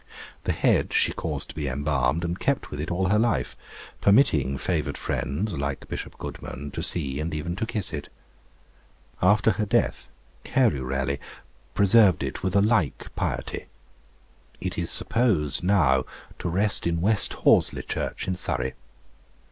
The head she caused to be embalmed, and kept it with her all her life, permitting favoured friends, like Bishop Goodman, to see and even to kiss it. After her death, Carew Raleigh preserved it with a like piety. It is supposed now to rest in West Horsley church in Surrey.